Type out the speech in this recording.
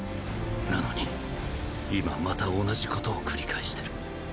なのに今また同じことを繰り返してる。